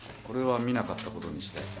これは見なかったことにして。